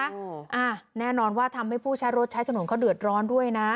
อ่าแน่นอนว่าทำให้ผู้ใช้รถใช้ถนนเขาเดือดร้อนด้วยนะ